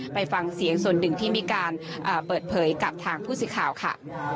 ไปฟังเสียงส่วนหนึ่งที่มีการเปิดเผยกับทางผู้สื่อข่าวค่ะ